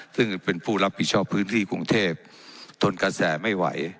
ซึ่งเป็นผู้รับผิดชอบพื้นที่กรุงเทพทนกระแสไม่ไหว